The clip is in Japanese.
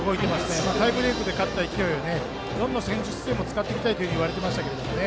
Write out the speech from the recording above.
タイブレークで勝った勢いをどんな戦術でも使っていきたいといっていましたよね。